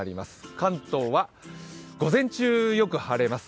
関東は午前中、よく晴れます。